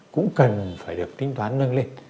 cũng cần phải được tính toán nâng lên